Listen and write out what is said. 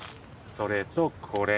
それとこれ。